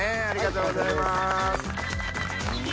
ありがとうございます。